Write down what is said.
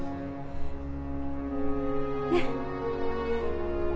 ねっ？